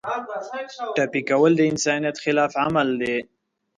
ټپي کول د انسانیت خلاف عمل دی.